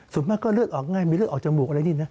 ส่วนมากก็เลือดออกง่ายมีเลือดออกจมูกอะไรนี่นะ